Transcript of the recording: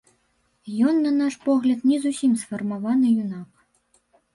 Ён, на наш погляд, не зусім сфармаваны юнак.